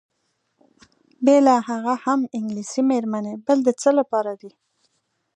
بېله هغه هم انګلیسۍ میرمنې بل د څه لپاره دي؟